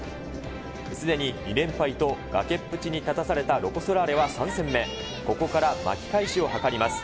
すでに２連敗と、崖っぷちに立たされたロコ・ソラーレは３戦目、ここから巻き返しを図ります。